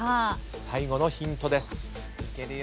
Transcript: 最後のヒントです。